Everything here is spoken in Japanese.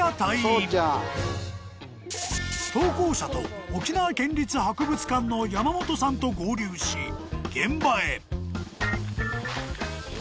［投稿者と沖縄県立博物館の山本さんと合流し現場へ］